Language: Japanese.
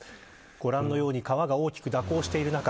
ご覧のように、川が大きく蛇行している中。